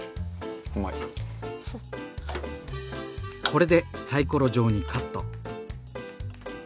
これでサイコロ状にカット。